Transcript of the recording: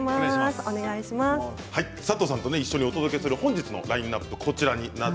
佐藤さんと一緒にお届けするきょうのラインナップです。